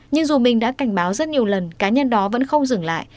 nhưng dù mình đã cảnh báo rất nhiều lần cá nhân đó vẫn không dừng lại